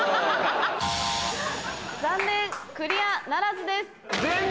残念クリアならずです。